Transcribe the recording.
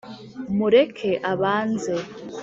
mureke abanze